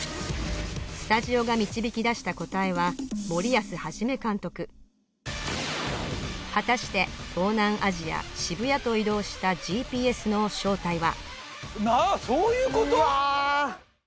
スタジオが導き出した答えは森保一監督はたして東南アジア渋谷と移動したＧＰＳの正体は！？